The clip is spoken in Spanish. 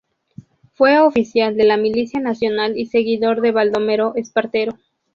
Fue oficial de la Milicia Nacional y seguidor de Baldomero Espartero.